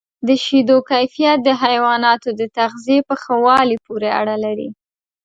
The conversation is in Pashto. د شیدو کیفیت د حیواناتو د تغذیې په ښه والي پورې اړه لري.